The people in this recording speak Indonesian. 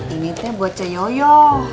ini tuh buat ceyoyo